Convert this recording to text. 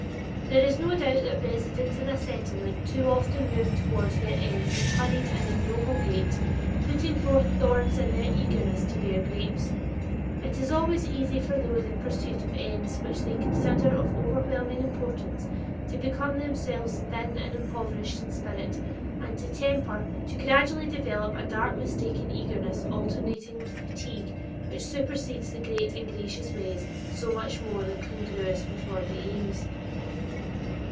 There is no doubt that residents in a Settlement too often move toward their ends "with hurried and ignoble gait," putting forth thorns in their eagerness to bear grapes. It is always easy for those in pursuit of ends which they consider of overwhelming importance to become themselves thin and impoverished in spirit and temper, to gradually develop a dark mistaken eagerness alternating with fatigue, which supersedes "the great and gracious ways" so much more congruous with worthy aims.